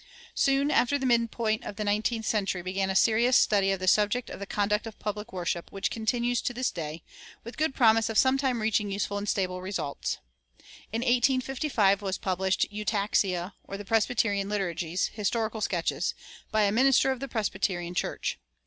Soon after the mid point of the nineteenth century, began a serious study of the subject of the conduct of public worship, which continues to this day, with good promise of sometime reaching useful and stable results. In 1855 was published "Eutaxia, or the Presbyterian Liturgies: Historical Sketches. By a Minister of the Presbyterian Church."